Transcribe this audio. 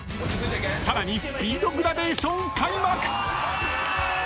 更にスピードグラデーション開幕。